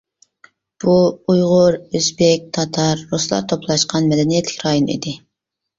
بۇ ئۇيغۇر، ئۆزبېك، تاتار، رۇسلار توپلاشقان مەدەنىيەتلىك رايون ئىدى.